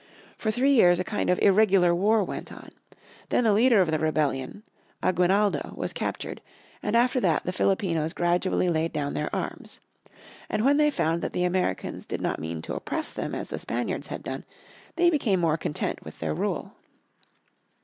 For three years a kind of irregular war went on. Then the leader of the rebellion, Aguinaldo, was captured, and after that the Filipinos gradually laid down their arms. And when they found that the Americans did not mean to oppress them as the Spaniards had done they became more content with their rule.